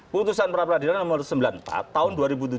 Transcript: putusan pra peradilan nomor sembilan puluh empat tahun dua ribu tujuh belas